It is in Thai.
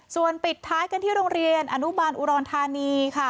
ส่วนปิดท้ายกันที่โรงเรียนอนุบันอุรณฑานี